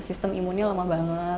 sistem imunnya lama banget